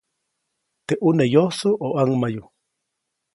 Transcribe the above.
Teʼ ʼune ¿yosu o ʼaŋmayu?